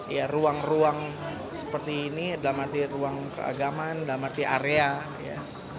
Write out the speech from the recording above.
ya ruang ruang seperti ini dalam arti ruang keagaman dalam arti area ya